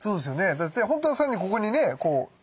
だって本当は更にここにねこう花が。